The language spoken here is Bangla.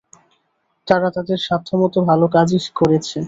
তারা তাদের সাধ্যমত ভাল কাজই করেছে।